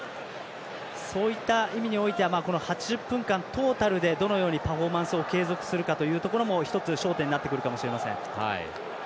そういった意味においては８０分間トータルでどのようにパフォーマンスを継続するかというところも１つ、焦点になってくるかもしれません。